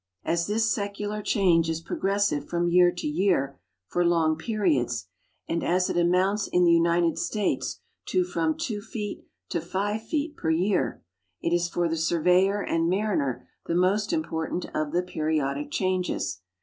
As this secular change is progressive from year to year for long periods, and as it amounts in the United States to from 2' to '^' per year, it is for the surveyor and mariner the most important of the periodic changes.